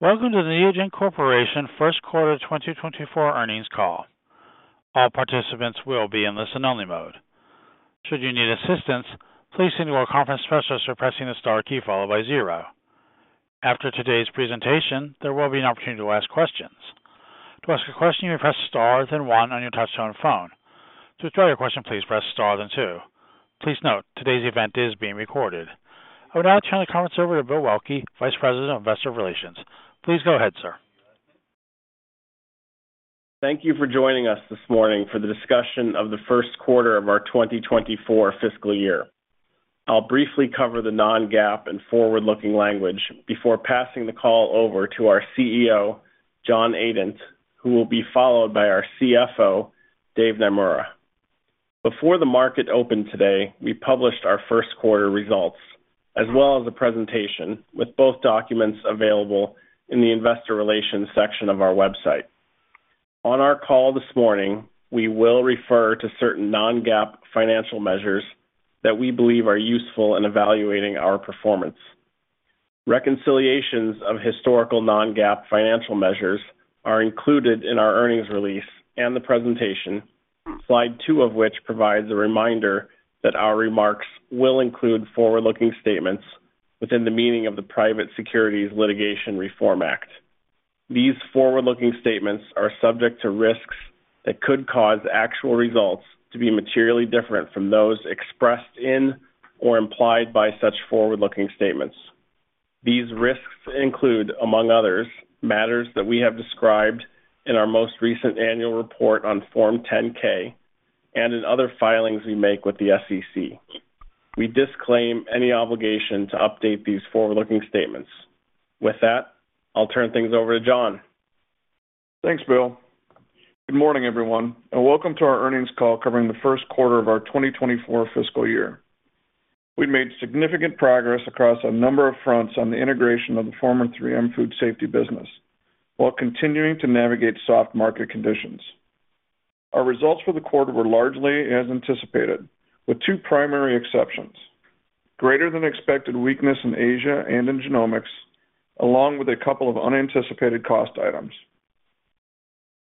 Welcome to the Neogen Corporation First Quarter 2024 Earnings Call. All participants will be in listen-only mode. Should you need assistance, please signal our conference specialist by pressing the star key followed by zero. After today's presentation, there will be an opportunity to ask questions. To ask a question, you may press star, then one on your touchtone phone. To withdraw your question, please press star, then two. Please note, today's event is being recorded. I will now turn the conference over to Bill Waelke, Vice President of Investor Relations. Please go ahead, sir. Thank you for joining us this morning for the discussion of the first quarter of our 2024 fiscal year. I'll briefly cover the non-GAAP and forward-looking language before passing the call over to our CEO, John Adent, who will be followed by our CFO, Dave Naemura. Before the market opened today, we published our first quarter results as well as a presentation, with both documents available in the Investor Relations section of our website. On our call this morning, we will refer to certain non-GAAP financial measures that we believe are useful in evaluating our performance. Reconciliations of historical non-GAAP financial measures are included in our earnings release and the presentation, slide two of which provides a reminder that our remarks will include forward-looking statements within the meaning of the Private Securities Litigation Reform Act. These forward-looking statements are subject to risks that could cause actual results to be materially different from those expressed in or implied by such forward-looking statements. These risks include, among others, matters that we have described in our most recent annual report on Form 10-K and in other filings we make with the SEC. We disclaim any obligation to update these forward-looking statements. With that, I'll turn things over to John. Thanks, Bill. Good morning, everyone, and welcome to our earnings call covering the first quarter of our 2024 fiscal year. We've made significant progress across a number of fronts on the integration of the former 3M Food Safety business, while continuing to navigate soft market conditions. Our results for the quarter were largely as anticipated, with two primary exceptions: greater than expected weakness in Asia and in genomics, along with a couple of unanticipated cost items.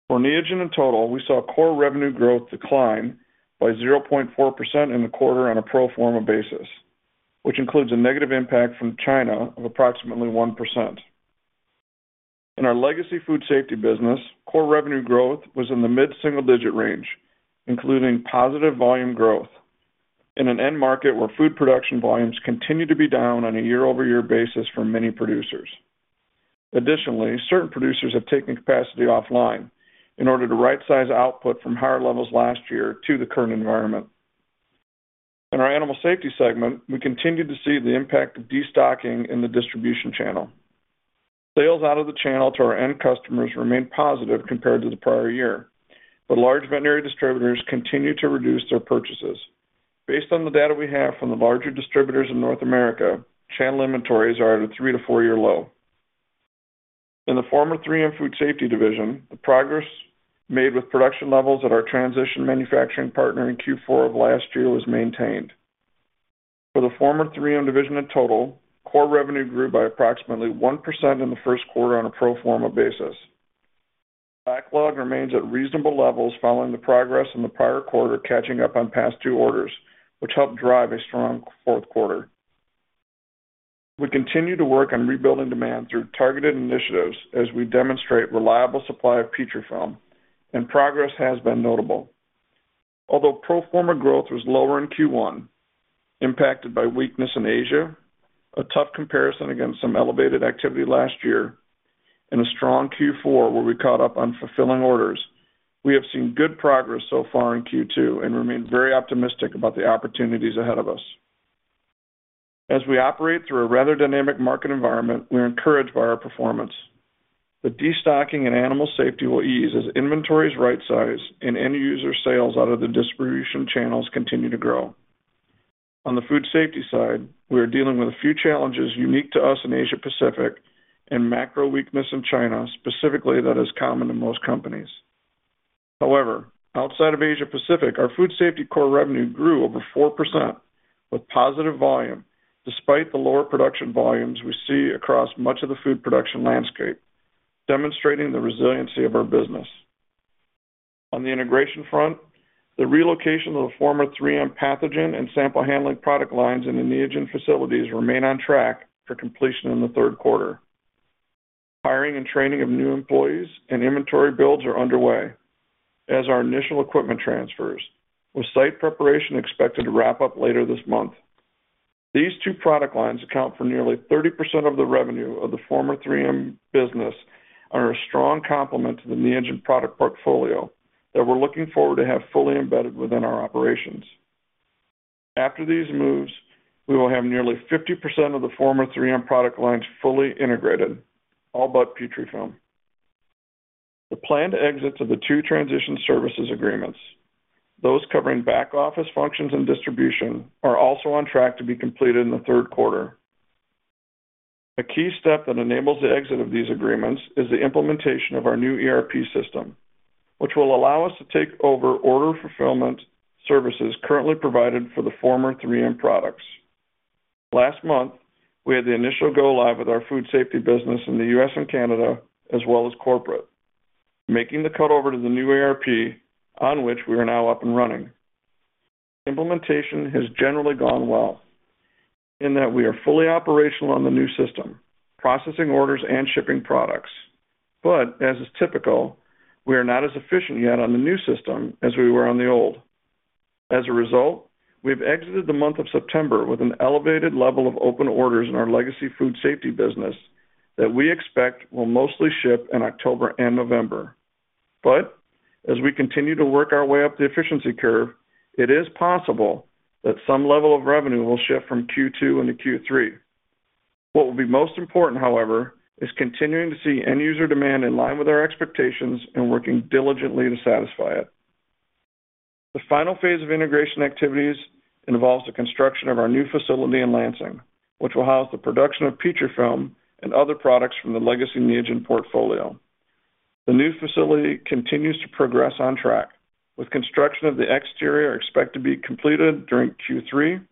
For Neogen in total, we saw core revenue growth decline by 0.4% in the quarter on a pro forma basis, which includes a negative impact from China of approximately 1%. In our legacy food safety business, core revenue growth was in the mid-single digit range, including positive volume growth in an end market where food production volumes continue to be down on a year-over-year basis for many producers. Additionally, certain producers have taken capacity offline in order to right-size output from higher levels last year to the current environment. In our Animal Safety segment, we continued to see the impact of destocking in the distribution channel. Sales out of the channel to our end customers remained positive compared to the prior year, but large veterinary distributors continue to reduce their purchases. Based on the data we have from the larger distributors in North America, channel inventories are at a three- to four-year low. In the former 3M Food Safety division, the progress made with production levels at our transition manufacturing partner in Q4 of last year was maintained. For the former 3M division in total, core revenue grew by approximately 1% in the first quarter on a pro forma basis. Backlog remains at reasonable levels following the progress in the prior quarter, catching up on past two orders, which helped drive a strong fourth quarter. We continue to work on rebuilding demand through targeted initiatives as we demonstrate reliable supply of Petrifilm, and progress has been notable. Although pro forma growth was lower in Q1, impacted by weakness in Asia, a tough comparison against some elevated activity last year, and a strong Q4 where we caught up on fulfilling orders, we have seen good progress so far in Q2 and remain very optimistic about the opportunities ahead of us. As we operate through a rather dynamic market environment, we're encouraged by our performance. The destocking and Animal Safety will ease as inventories right-size and end-user sales out of the distribution channels continue to grow. On the food safety side, we are dealing with a few challenges unique to us in Asia Pacific and macro weakness in China, specifically, that is common to most companies. However, outside of Asia Pacific, our food safety core revenue grew over 4%, with positive volume, despite the lower production volumes we see across much of the food production landscape, demonstrating the resiliency of our business. On the integration front, the relocation of the former 3M pathogen and sample handling product lines in the Neogen facilities remain on track for completion in the third quarter. Hiring and training of new employees and inventory builds are underway as our initial equipment transfers, with site preparation expected to wrap up later this month. These two product lines account for nearly 30% of the revenue of the former 3M business and are a strong complement to the Neogen product portfolio that we're looking forward to have fully embedded within our operations. After these moves, we will have nearly 50% of the former 3M product lines fully integrated, all but Petrifilm. The planned exits of the two transition services agreements, those covering back-office functions and distribution, are also on track to be completed in the third quarter. A key step that enables the exit of these agreements is the implementation of our new ERP system, which will allow us to take over order fulfillment services currently provided for the former 3M products. Last month, we had the initial go live with our food safety business in the U.S. and Canada, as well as corporate, making the cut over to the new ERP, on which we are now up and running. Implementation has generally gone well in that we are fully operational on the new system, processing orders and shipping products. But as is typical, we are not as efficient yet on the new system as we were on the old. As a result, we've exited the month of September with an elevated level of open orders in our legacy food safety business that we expect will mostly ship in October and November. But as we continue to work our way up the efficiency curve, it is possible that some level of revenue will shift from Q2 into Q3. What will be most important, however, is continuing to see end user demand in line with our expectations and working diligently to satisfy it. The final phase of integration activities involves the construction of our new facility in Lansing, which will house the production of Petrifilm and other products from the legacy Neogen portfolio. The new facility continues to progress on track, with construction of the exterior expected to be completed during Q3,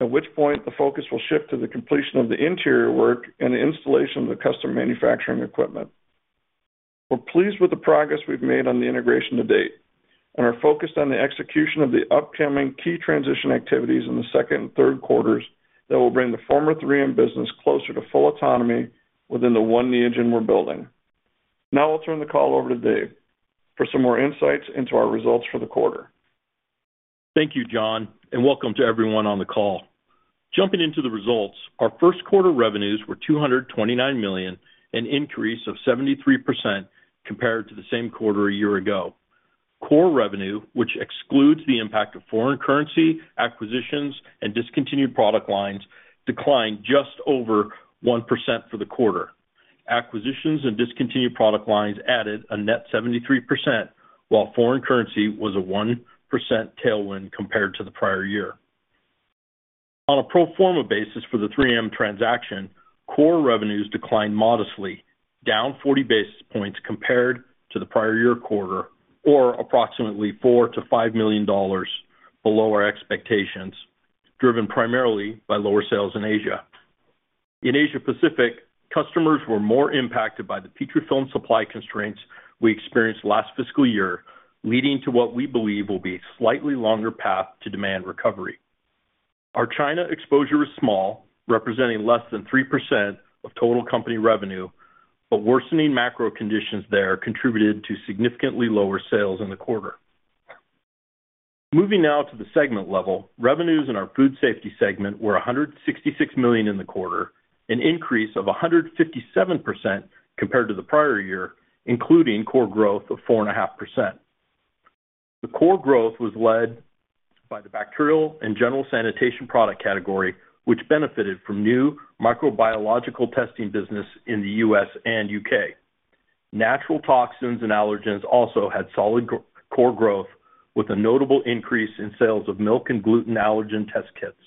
at which point the focus will shift to the completion of the interior work and the installation of the custom manufacturing equipment. We're pleased with the progress we've made on the integration to date and are focused on the execution of the upcoming key transition activities in the second and third quarters that will bring the former 3M business closer to full autonomy within the one Neogen we're building. Now I'll turn the call over to Dave for some more insights into our results for the quarter. Thank you, John, and welcome to everyone on the call. Jumping into the results. Our first quarter revenues were $229 million, an increase of 73% compared to the same quarter a year ago. Core revenue, which excludes the impact of foreign currency, acquisitions, and discontinued product lines, declined just over 1% for the quarter. Acquisitions and discontinued product lines added a net 73%, while foreign currency was a 1% tailwind compared to the prior year. On a pro forma basis for the 3M transaction, core revenues declined modestly, down 40 basis points compared to the prior year quarter, or approximately $4 million-$5 million below our expectations, driven primarily by lower sales in Asia. In Asia Pacific, customers were more impacted by the Petrifilm supply constraints we experienced last fiscal year, leading to what we believe will be a slightly longer path to demand recovery. Our China exposure is small, representing less than 3% of total company revenue, but worsening macro conditions there contributed to significantly lower sales in the quarter. Moving now to the segment level. Revenues in our food safety segment were $166 million in the quarter, an increase of 157% compared to the prior year, including core growth of 4.5%. The core growth was led by the bacterial and general sanitation product category, which benefited from new microbiological testing business in the U.S. and U.K. Natural toxins and allergens also had solid core growth, with a notable increase in sales of milk and gluten allergen test kits.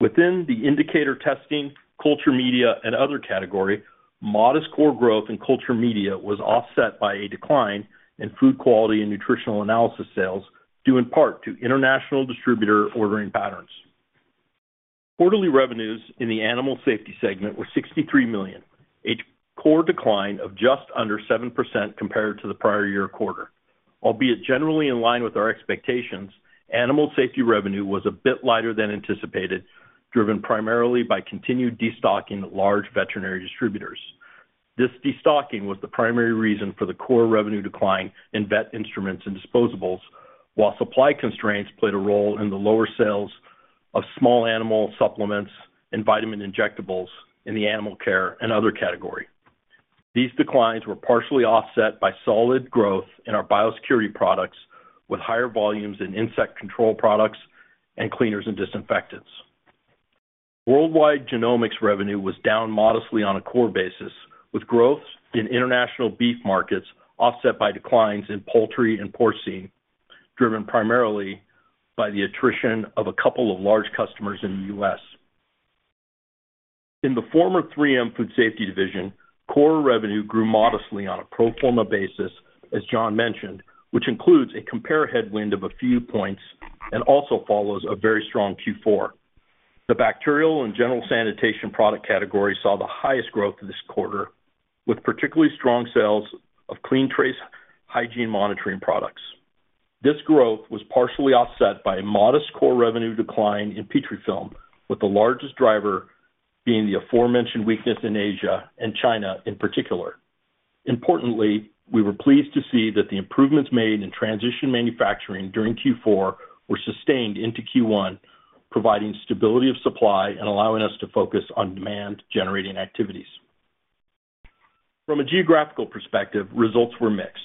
Within the indicator testing, culture media, and other category, modest core growth in culture media was offset by a decline in food quality and nutritional analysis sales, due in part to international distributor ordering patterns. Quarterly revenues in the animal safety segment were $63 million, a core decline of just under 7% compared to the prior year quarter. Albeit generally in line with our expectations, animal safety revenue was a bit lighter than anticipated, driven primarily by continued destocking at large veterinary distributors. This destocking was the primary reason for the core revenue decline in vet instruments and disposables, while supply constraints played a role in the lower sales of small animal supplements and vitamin injectables in the animal care and other category. These declines were partially offset by solid growth in our biosecurity products, with higher volumes in insect control products and cleaners and disinfectants. Worldwide genomics revenue was down modestly on a core basis, with growth in international beef markets offset by declines in poultry and porcine, driven primarily by the attrition of a couple of large customers in the U.S. In the former 3M Food Safety division, core revenue grew modestly on a pro forma basis, as John mentioned, which includes a compare headwind of a few points and also follows a very strong Q4. The bacterial and general sanitation product category saw the highest growth this quarter, with particularly strong sales of Clean-Trace hygiene monitoring products. This growth was partially offset by a modest core revenue decline in Petrifilm, with the largest driver being the aforementioned weakness in Asia and China in particular. Importantly, we were pleased to see that the improvements made in transition manufacturing during Q4 were sustained into Q1, providing stability of supply and allowing us to focus on demand-generating activities. From a geographical perspective, results were mixed.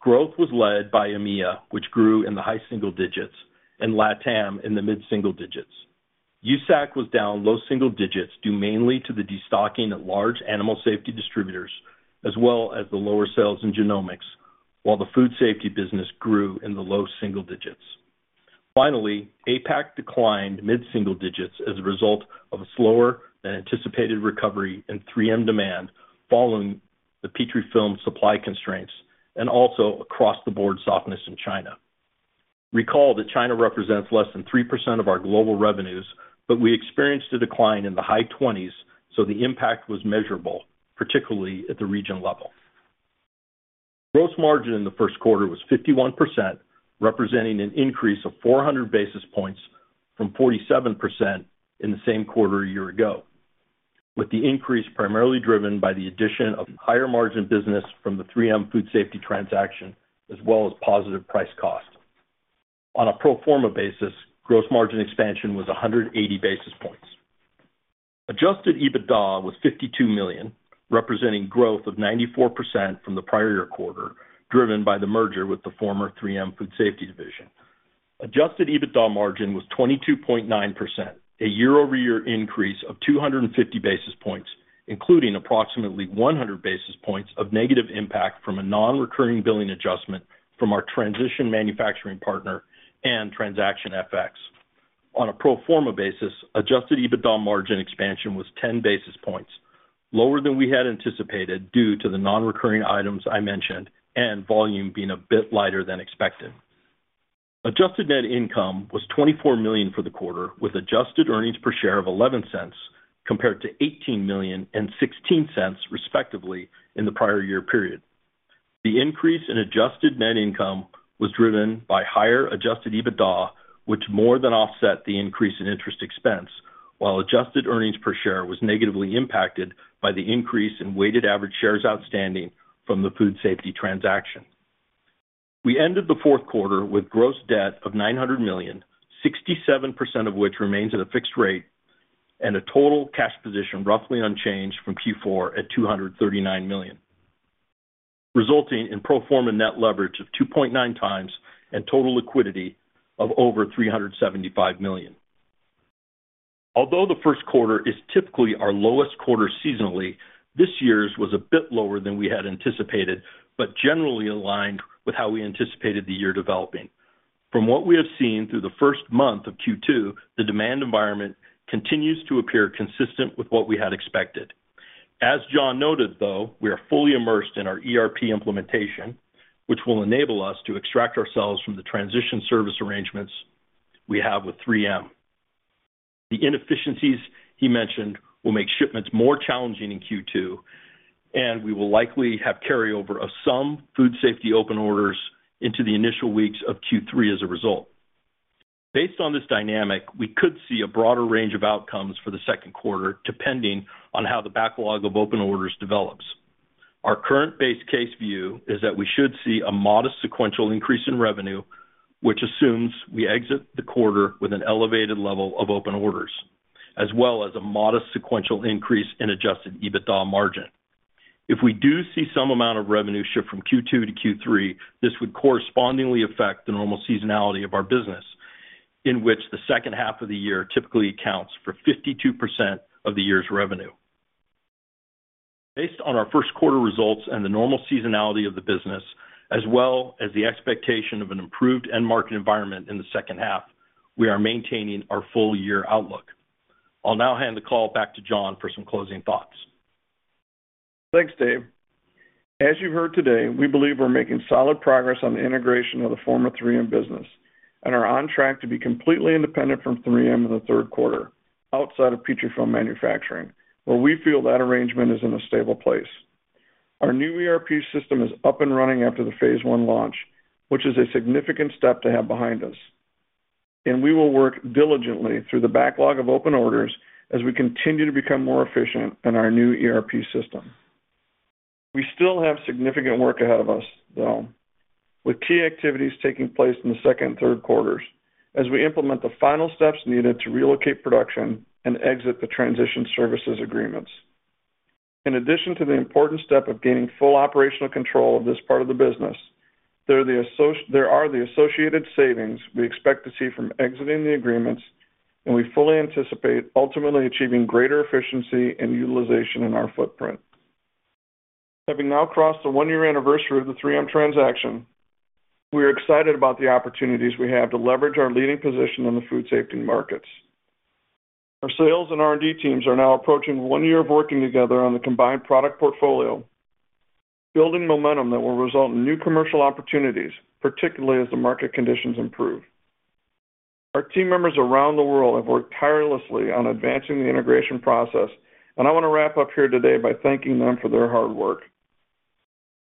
Growth was led by EMEA, which grew in the high single digits, and LATAM in the mid single digits. USAC was down low single digits, due mainly to the destocking of large animal safety distributors as well as the lower sales in genomics, while the food safety business grew in the low single digits. Finally, APAC declined mid-single digits as a result of a slower than anticipated recovery in 3M demand, following the Petrifilm supply constraints and also across the board softness in China. Recall that China represents less than 3% of our global revenues, but we experienced a decline in the high 20s, so the impact was measurable, particularly at the region level. Gross margin in the first quarter was 51%, representing an increase of 400 basis points from 47% in the same quarter a year ago, with the increase primarily driven by the addition of higher margin business from the 3M Food Safety transaction, as well as positive price cost. On a pro forma basis, gross margin expansion was 180 basis points. Adjusted EBITDA was $52 million, representing growth of 94% from the prior year quarter, driven by the merger with the former 3M Food Safety division. Adjusted EBITDA margin was 22.9%, a year-over-year increase of 250 basis points, including approximately 100 basis points of negative impact from a non-recurring billing adjustment from our transition manufacturing partner and transaction FX. On a pro forma basis, adjusted EBITDA margin expansion was 10 basis points, lower than we had anticipated due to the non-recurring items I mentioned and volume being a bit lighter than expected. Adjusted net income was $24 million for the quarter, with adjusted earnings per share of $0.11, compared to $18 million and $0.16, respectively, in the prior year period. The increase in adjusted net income was driven by higher adjusted EBITDA, which more than offset the increase in interest expense, while adjusted earnings per share was negatively impacted by the increase in weighted average shares outstanding from the food safety transaction. We ended the fourth quarter with gross debt of $900 million, 67% of which remains at a fixed rate and a total cash position roughly unchanged from Q4 at $239 million, resulting in pro forma net leverage of 2.9x and total liquidity of over $375 million. Although the first quarter is typically our lowest quarter seasonally, this year's was a bit lower than we had anticipated, but generally aligned with how we anticipated the year developing. From what we have seen through the first month of Q2, the demand environment continues to appear consistent with what we had expected. As John noted, though, we are fully immersed in our ERP implementation, which will enable us to extract ourselves from the transition service arrangements we have with 3M. The inefficiencies he mentioned will make shipments more challenging in Q2, and we will likely have carryover of some food safety open orders into the initial weeks of Q3 as a result. Based on this dynamic, we could see a broader range of outcomes for the second quarter, depending on how the backlog of open orders develops. Our current base case view is that we should see a modest sequential increase in revenue, which assumes we exit the quarter with an elevated level of open orders, as well as a modest sequential increase in Adjusted EBITDA margin. If we do see some amount of revenue shift from Q2 to Q3, this would correspondingly affect the normal seasonality of our business, in which the second half of the year typically accounts for 52% of the year's revenue. Based on our first quarter results and the normal seasonality of the business, as well as the expectation of an improved end market environment in the second half, we are maintaining our full year outlook. I'll now hand the call back to John for some closing thoughts. Thanks, Dave. As you've heard today, we believe we're making solid progress on the integration of the former 3M business and are on track to be completely independent from 3M in the third quarter, outside of Petrifilm manufacturing, where we feel that arrangement is in a stable place. Our new ERP system is up and running after the phase one launch, which is a significant step to have behind us. And we will work diligently through the backlog of open orders as we continue to become more efficient in our new ERP system. We still have significant work ahead of us, though, with key activities taking place in the second and third quarters as we implement the final steps needed to relocate production and exit the transition services agreements. In addition to the important step of gaining full operational control of this part of the business, there are the associated savings we expect to see from exiting the agreements, and we fully anticipate ultimately achieving greater efficiency and utilization in our footprint. Having now crossed the one-year anniversary of the 3M transaction, we are excited about the opportunities we have to leverage our leading position in the food safety markets. Our sales and R&D teams are now approaching one year of working together on the combined product portfolio, building momentum that will result in new commercial opportunities, particularly as the market conditions improve. Our team members around the world have worked tirelessly on advancing the integration process, and I want to wrap up here today by thanking them for their hard work.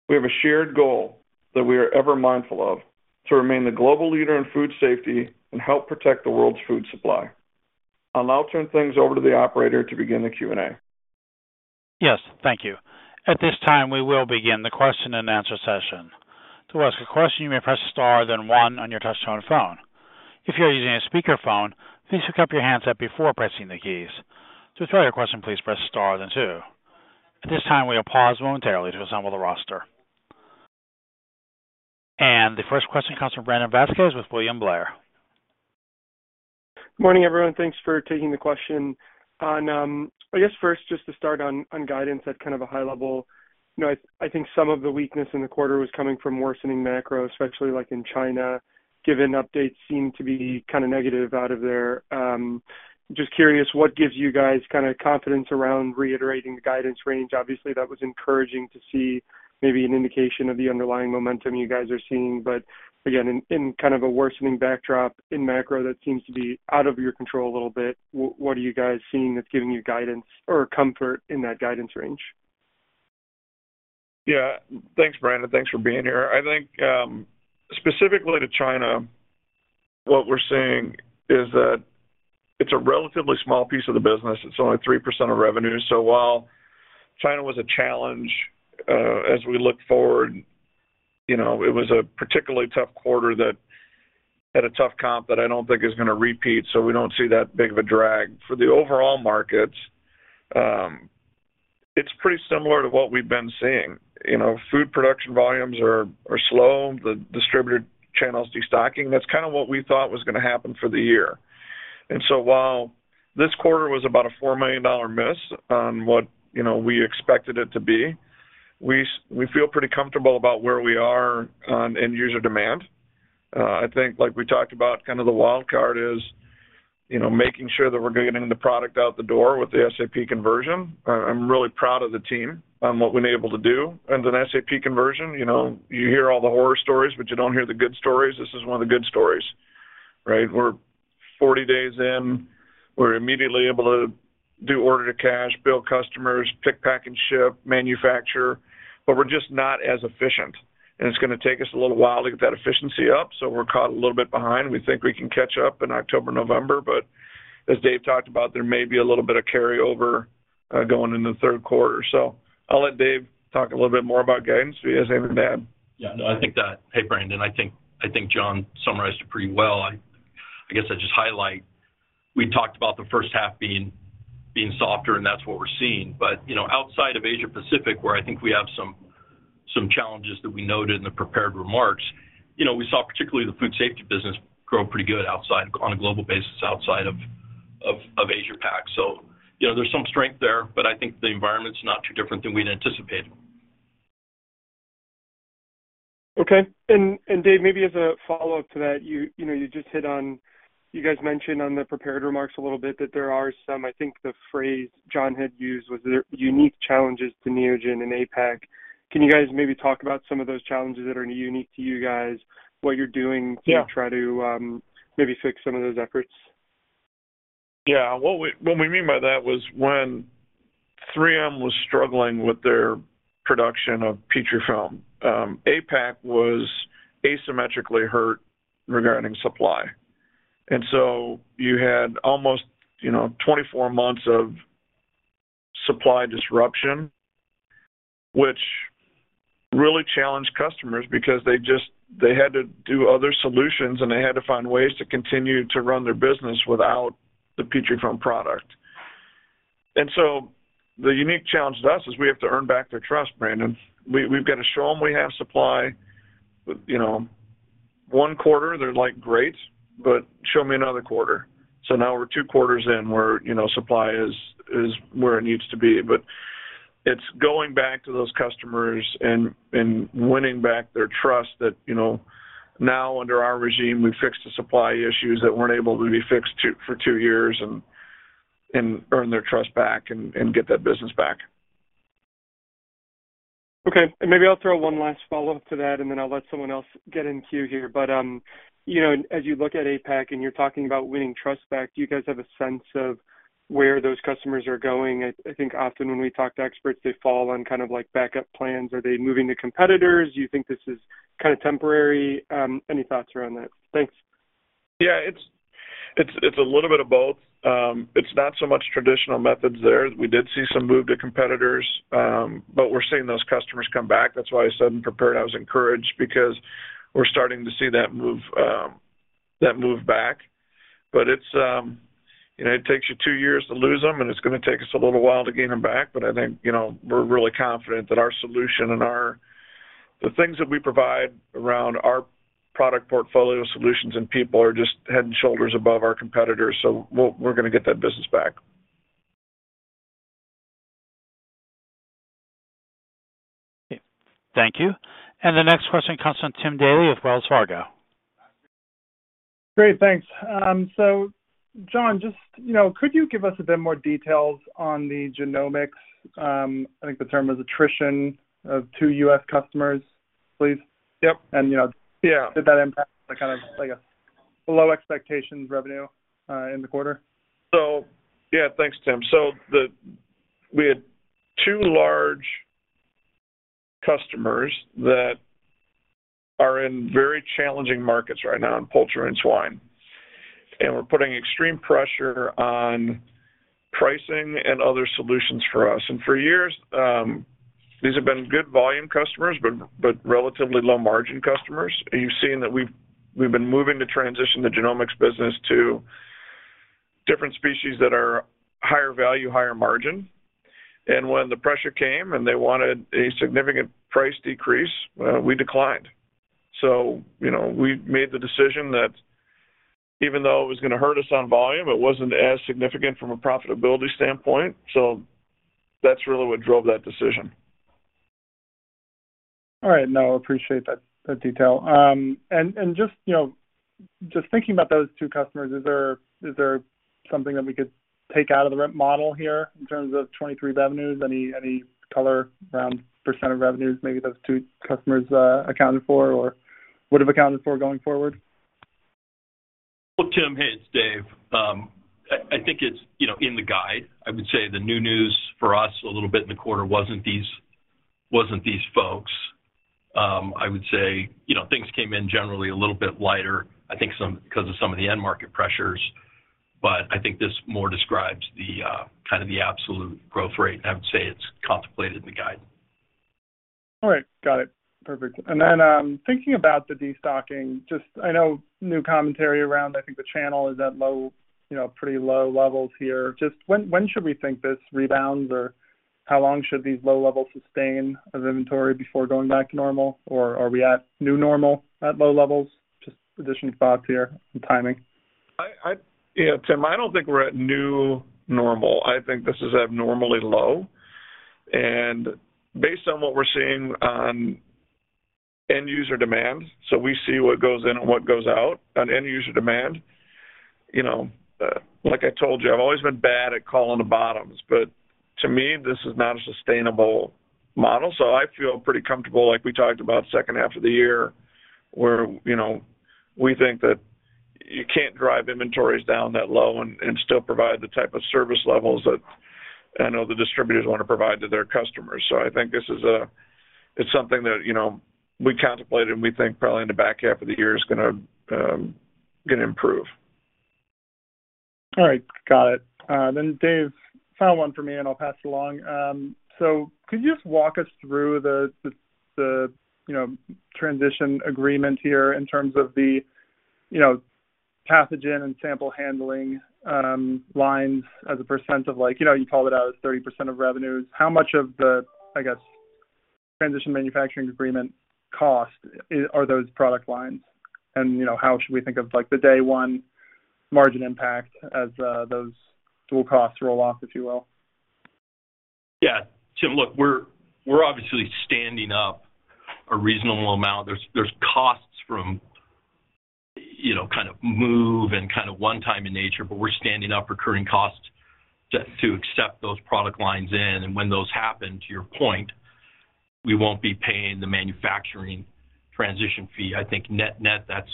We have a shared goal that we are ever mindful of, to remain the global leader in food safety and help protect the world's food supply. I'll now turn things over to the operator to begin the Q&A. Yes, thank you. At this time, we will begin the question and answer session. To ask a question, you may press star, then one on your touchtone phone. If you are using a speakerphone, please pick up your handset before pressing the keys. To withdraw your question, please press star, then two. At this time, we will pause momentarily to assemble the roster. The first question comes from Brandon Vazquez with William Blair. Morning, everyone. Thanks for taking the question. On, I guess first, just to start on, on guidance at kind of a high level. You know, I think some of the weakness in the quarter was coming from worsening macro, especially like in China, given updates seem to be kind of negative out of there. Just curious, what gives you guys kind of confidence around reiterating the guidance range? Obviously, that was encouraging to see maybe an indication of the underlying momentum you guys are seeing. Again, in kind of a worsening backdrop in macro, that seems to be out of your control a little bit. What are you guys seeing that's giving you guidance or comfort in that guidance range? Yeah. Thanks, Brandon. Thanks for being here. I think, specifically to China, what we're seeing is that it's a relatively small piece of the business. It's only 3% of revenue. So while China was a challenge, as we look forward, you know, it was a particularly tough quarter that had a tough comp, but I don't think it's gonna repeat, so we don't see that big of a drag. For the overall markets, it's pretty similar to what we've been seeing. You know, food production volumes are slow, the distributor channels, destocking. That's kind of what we thought was gonna happen for the year. And so while this quarter was about a $4 million miss on what, you know, we expected it to be, we feel pretty comfortable about where we are on end user demand. I think, like we talked about, kind of the wild card is, you know, making sure that we're getting the product out the door with the SAP conversion. I, I'm really proud of the team on what we've been able to do. And an SAP conversion, you know, you hear all the horror stories, but you don't hear the good stories. This is one of the good stories, right? We're 40 days in. We're immediately able to do order to cash, bill customers, pick, pack, and ship, manufacture, but we're just not as efficient, and it's gonna take us a little while to get that efficiency up. So we're caught a little bit behind. We think we can catch up in October, November, but as Dave talked about, there may be a little bit of carryover, going in the third quarter. I'll let Dave talk a little bit more about guidance. Do you guys have anything to add? Yeah, no, I think that... Hey, Brandon, I think John summarized it pretty well. I guess I'd just highlight, we talked about the first half being softer, and that's what we're seeing. But, you know, outside of Asia Pacific, where I think we have some challenges that we noted in the prepared remarks, you know, we saw particularly the food safety business grow pretty good outside, on a global basis, outside of Asia Pac. So, you know, there's some strength there, but I think the environment's not too different than we'd anticipated. Okay. And Dave, maybe as a follow-up to that, you know, you just hit on— You guys mentioned on the prepared remarks a little bit that there are some, I think the phrase John had used was there are unique challenges to Neogen in APAC. Can you guys maybe talk about some of those challenges that are unique to you guys, what you're doing- Yeah -to try to, maybe fix some of those efforts? Yeah. What we, what we mean by that was when 3M was struggling with their production of Petrifilm, APAC was asymmetrically hurt regarding supply. And so you had almost, you know, 24 months of supply disruption, which really challenged customers because they just, they had to do other solutions, and they had to find ways to continue to run their business without the Petrifilm product. And so the unique challenge to us is we have to earn back their trust, Brandon. We, we've got to show them we have supply. You know, one quarter, they're like, "Great, but show me another quarter." So now we're two quarters in, where, you know, supply is, is where it needs to be. But it's going back to those customers and winning back their trust that, you know, now under our regime, we've fixed the supply issues that weren't able to be fixed for two years and earn their trust back and get that business back. Okay, and maybe I'll throw one last follow-up to that, and then I'll let someone else get in queue here. But, you know, as you look at APAC, and you're talking about winning trust back, do you guys have a sense of where those customers are going? I think often when we talk to experts, they fall on kind of like backup plans. Are they moving to competitors? Do you think this is kind of temporary? Any thoughts around that? Thanks. Yeah, it's a little bit of both. It's not so much traditional methods there. We did see some move to competitors, but we're seeing those customers come back. That's why I said in prepared, I was encouraged because we're starting to see that move, that move back. But it's, you know, it takes you two years to lose them, and it's gonna take us a little while to gain them back. But I think, you know, we're really confident that our solution and our... the things that we provide around our product portfolio solutions and people are just head and shoulders above our competitors, so we're gonna get that business back. Thank you. The next question comes from Tim Daley of Wells Fargo. Great, thanks. So John, just, you know, could you give us a bit more details on the genomics? I think the term was attrition of two U.S. customers, please. Yep. You know— Yeah Did that impact the kind of, like, low expectations revenue in the quarter? So, yeah, thanks, Tim. So the we had two large customers that are in very challenging markets right now in poultry and swine. And we're putting extreme pressure on pricing and other solutions for us. And for years, these have been good volume customers, but relatively low-margin customers. You've seen that we've been moving to transition the genomics business to different species that are higher value, higher margin... And when the pressure came and they wanted a significant price decrease, we declined. So, you know, we made the decision that even though it was gonna hurt us on volume, it wasn't as significant from a profitability standpoint. So that's really what drove that decision. All right. No, I appreciate that, that detail. And just, you know, just thinking about those two customers, is there something that we could take out of the rep model here in terms of 2023 revenues? Any color around percent of revenues, maybe those two customers accounted for or would have accounted for going forward? Well, Tim, hey, it's Dave. I think it's, you know, in the guide. I would say the new news for us, a little bit in the quarter, wasn't these, wasn't these folks. I would say, you know, things came in generally a little bit lighter, I think some-- because of some of the end market pressures. I think this more describes the, kind of the absolute growth rate, and I would say it's contemplated in the guide. All right. Got it. Perfect. And then, thinking about the destocking, just... I know new commentary around, I think the channel is at low, you know, pretty low levels here. Just when, when should we think this rebounds, or how long should these low levels sustain of inventory before going back to normal? Or are we at new normal at low levels? Just additional thoughts here on timing. Yeah, Tim, I don't think we're at new normal. I think this is abnormally low. And based on what we're seeing on end user demand, so we see what goes in and what goes out on end user demand. You know, like I told you, I've always been bad at calling the bottoms, but to me, this is not a sustainable model. So I feel pretty comfortable, like we talked about second half of the year, where, you know, we think that you can't drive inventories down that low and still provide the type of service levels that I know the distributors wanna provide to their customers. So I think this is a, it's something that, you know, we contemplated, and we think probably in the back half of the year is gonna, gonna improve. All right. Got it. Then, Dave, final one for me, and I'll pass it along. So could you just walk us through the, you know, transition agreement here in terms of the, you know, pathogen and sample handling lines as a percent of, like, you know, you called it out as 30% of revenues. How much of the, I guess, transition manufacturing agreement cost are those product lines? And, you know, how should we think of, like, the day one margin impact as those dual costs roll off, if you will? Yeah. Tim, look, we're, we're obviously standing up a reasonable amount. There's, there's costs from, you know, kind of move and kind of one-time in nature, but we're standing up recurring costs just to accept those product lines in, and when those happen, to your point, we won't be paying the manufacturing transition fee. I think net-net, that's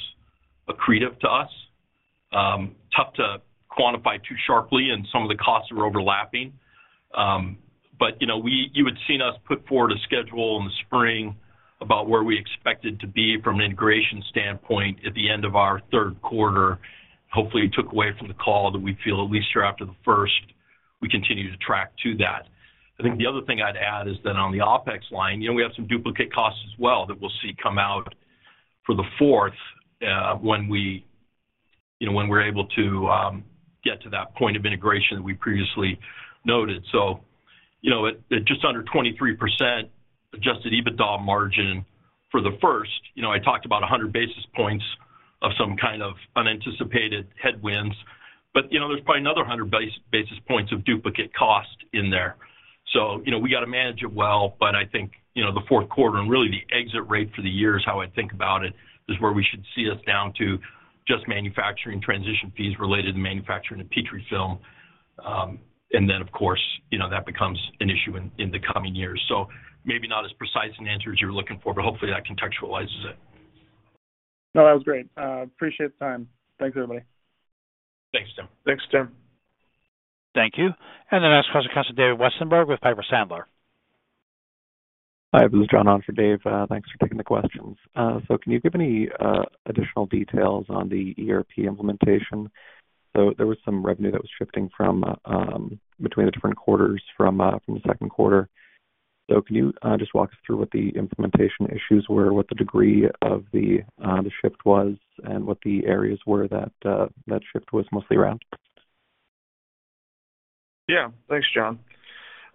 accretive to us. Tough to quantify too sharply, and some of the costs are overlapping. But, you know, we, you had seen us put forward a schedule in the spring about where we expected to be from an integration standpoint at the end of our third quarter. Hopefully, you took away from the call that we feel at least you're after the first, we continue to track to that. I think the other thing I'd add is that on the OpEx line, you know, we have some duplicate costs as well that we'll see come out for the fourth, when we, you know, when we're able to get to that point of integration we previously noted. So, you know, at, at just under 23% adjusted EBITDA margin for the first, you know, I talked about 100 basis points of some kind of unanticipated headwinds, but, you know, there's probably another 100 basis points of duplicate cost in there. So, you know, we got to manage it well, but I think, you know, the fourth quarter, and really the exit rate for the year is how I think about it, is where we should see us down to just manufacturing transition fees related to manufacturing and Petrifilm. And then, of course, you know, that becomes an issue in the coming years. So maybe not as precise an answer as you're looking for, but hopefully, that contextualizes it. No, that was great. Appreciate the time. Thanks, everybody. Thanks, Tim. Thanks, Tim. Thank you. The next question comes from David Westenberg with Piper Sandler. Hi, this is John on for Dave. Thanks for taking the questions. So can you give any additional details on the ERP implementation? So there was some revenue that was shifting from between the different quarters from the second quarter. So can you just walk us through what the implementation issues were, what the degree of the shift was, and what the areas were that that shift was mostly around? Yeah. Thanks, John.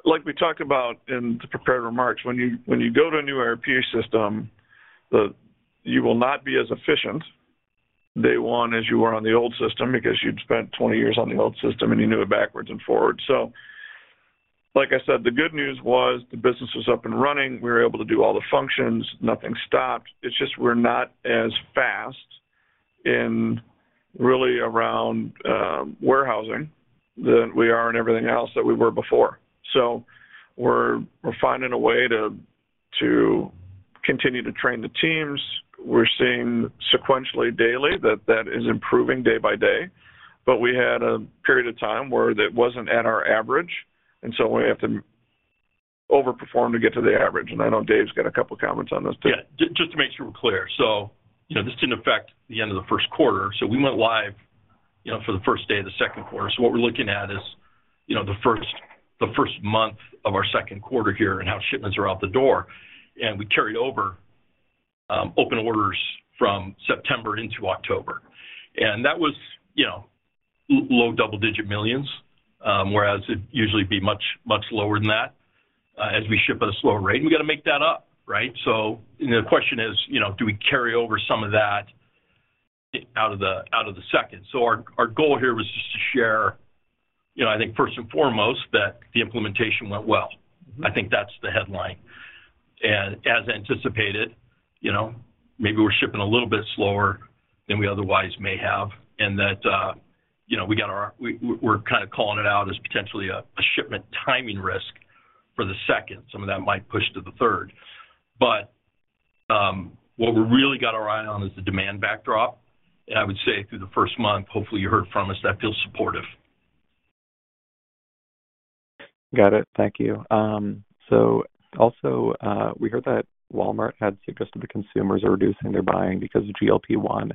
Like we talked about in the prepared remarks, when you, when you go to a new ERP system, the you will not be as efficient day one as you were on the old system because you'd spent 20 years on the old system, and you knew it backwards and forwards. So like I said, the good news was the business was up and running. We were able to do all the functions. Nothing stopped. It's just we're not as fast in really around warehousing than we are in everything else that we were before. So we're, we're finding a way to continue to train the teams. We're seeing sequentially, daily, that that is improving day by day, but we had a period of time where that wasn't at our average, and so we have to overperform to get to the average. I know Dave's got a couple comments on this, too. Yeah. Just to make sure we're clear. So, you know, this didn't affect the end of the first quarter. So we went live, you know, for the first day of the second quarter. So what we're looking at is, you know, the first, the first month of our second quarter here and how shipments are out the door, and we carried over open orders from September into October. And that was, you know, low double-digit millions, whereas it'd usually be much, much lower than that, as we ship at a slower rate. And we got to make that up, right? So, you know, the question is, you know, do we carry over some of that out of the, out of the second? So our, our goal here was just to share, you know, I think first and foremost, that the implementation went well. I think that's the headline. As anticipated, you know, maybe we're shipping a little bit slower than we otherwise may have, and that, you know, we're kind of calling it out as potentially a shipment timing risk for the second. Some of that might push to the third. But what we really got our eye on is the demand backdrop. And I would say through the first month, hopefully, you heard from us, that feels supportive. Got it. Thank you. So also, we heard that Walmart had suggested the consumers are reducing their buying because of GLP-1.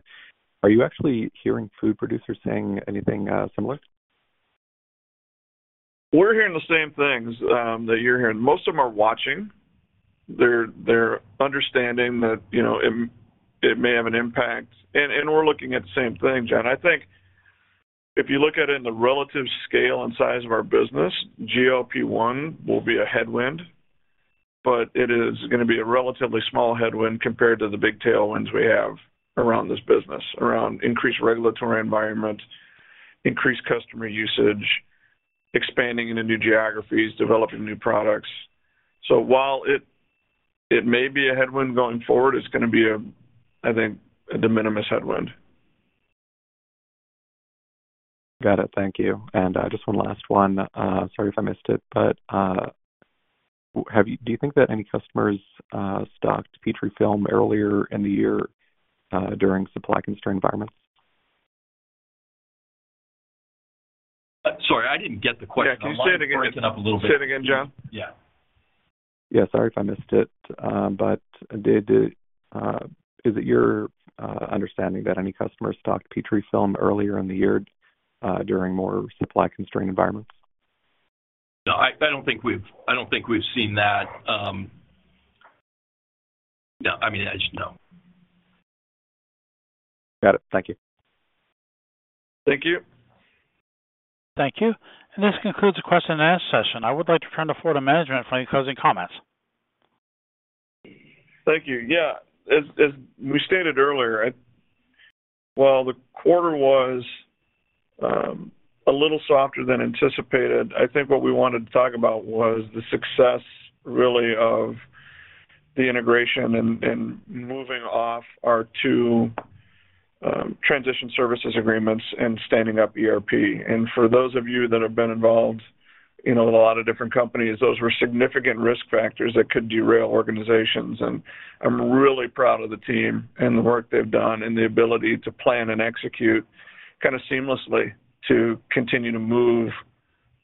Are you actually hearing food producers saying anything, similar? We're hearing the same things that you're hearing. Most of them are watching. They're understanding that, you know, it may have an impact, and we're looking at the same thing, John. I think if you look at it in the relative scale and size of our business, GLP-1 will be a headwind, but it is gonna be a relatively small headwind compared to the big tailwinds we have around this business, around increased regulatory environment, increased customer usage, expanding into new geographies, developing new products. So while it may be a headwind going forward, it's gonna be a, I think, a de minimis headwind. Got it. Thank you. And, just one last one. Sorry if I missed it, but, have you—do you think that any customers stocked Petrifilm earlier in the year, during supply constraint environments? Sorry, I didn't get the question. Yeah. Can you say it again? Can you break it up a little bit? Say it again, John? Yeah. Yeah, sorry if I missed it. Is it your understanding that any customers stocked Petrifilm earlier in the year, during more supply-constrained environments? No, I don't think we've seen that. No, I mean, I just... No. Got it. Thank you. Thank you. Thank you. This concludes the question and answer session. I would like to turn the floor to management for any closing comments. Thank you. Yeah. As we stated earlier, while the quarter was a little softer than anticipated, I think what we wanted to talk about was the success, really, of the integration and moving off our 2 transition services agreements and standing up ERP. And for those of you that have been involved in a lot of different companies, those were significant risk factors that could derail organizations, and I'm really proud of the team and the work they've done and the ability to plan and execute kinda seamlessly to continue to move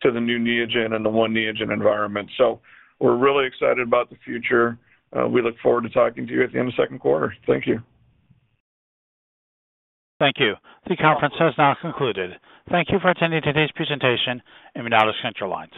to the new Neogen and the One Neogen environment. So we're really excited about the future. We look forward to talking to you at the end of the second quarter. Thank you. Thank you. The conference has now concluded. Thank you for attending today's presentation and you may disconnect your lines.